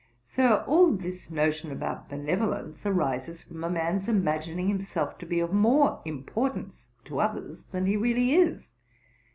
'Sir, all this notion about benevolence arises from a man's imagining himself to be of more importance to others, than he really is.